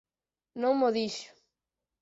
Non mo dixo